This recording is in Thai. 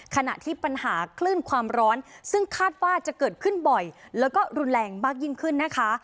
ขณะที่ปัญหาคลื่นความร้อนซึ่งคาดว่าจะเกิดขึ้นบ่อยแล้วก็รุนแรงมากยิ่งขึ้นนะคะ